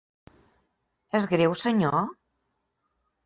És greu, senyor?